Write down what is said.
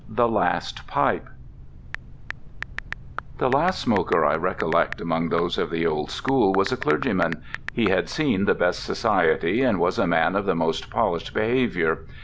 THE LAST PIPE The last smoker I recollect among those of the old school was a clergyman. He had seen the best society, and was a man of the most polished behaviour.